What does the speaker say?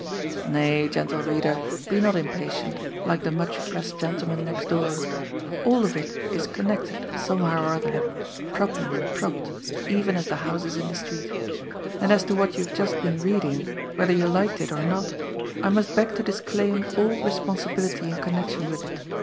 Ifay, gentle reader, be not impatient, like the much pressed gentleman next door ; all of it is connected, somehow or other, prop ping and propped, even as the houses in the street. And as to what you have just been reading, whether you liked it or not, I must beg to disclaim all responsibility in connec tion with it.